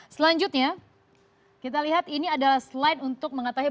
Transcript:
selanjutnya kita lihat ini adalah slide untuk mengetahui